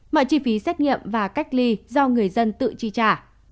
mọi chi phí xét nghiệm và cách ly do người dân tự chi trả